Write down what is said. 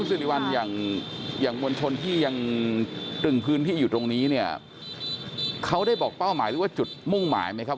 สิริวัลอย่างมวลชนที่ยังตรึงพื้นที่อยู่ตรงนี้เนี่ยเขาได้บอกเป้าหมายหรือว่าจุดมุ่งหมายไหมครับ